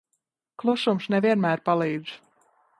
Klusums ne vienmēr palīdz.